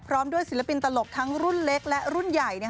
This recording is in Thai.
พร้อมด้วยศิลปินตลกทั้งรุ่นเล็กและรุ่นใหญ่